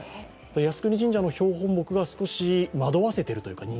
靖国神社の標本木が少し人間を惑わせているというか。